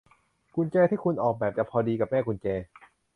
กุญแจที่คุณออกแบบจะพอดีกับแม่กุญแจ